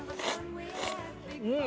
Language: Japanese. うん！